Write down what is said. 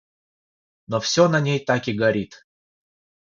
Но все на ней так и горит.